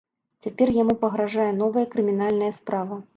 Цяпер яму пагражае новая крымінальная справа.